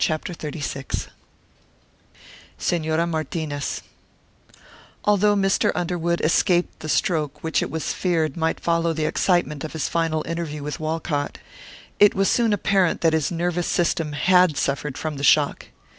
Chapter XXXVI SENORA MARTINEZ Although Mr. Underwood escaped the stroke which it was feared might follow the excitement of his final interview with Walcott, it was soon apparent that his nervous system had suffered from the shock.